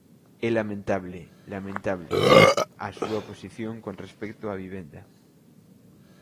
¡É lamentable, lamentable, a súa posición con respecto á vivenda!